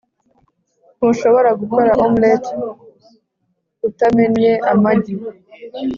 ntushobora gukora omelette utamennye amagi